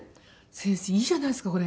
「先生いいじゃないですかこれ」。